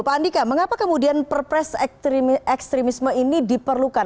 pak andika mengapa kemudian pr press ekstremisme ini diperlukan